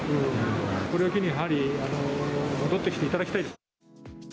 これを機にやはり戻ってきていただきたいです。